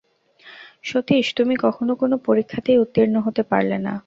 সতীশ, তুমি কখনো কোনো পরীক্ষাতেই উত্তীর্ণ হতে পারলে না।